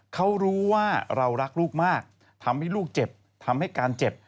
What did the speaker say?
เขารู้ว่าเรารักลูกมากทำให้ลูกเจ็บทำให้การเจ็บ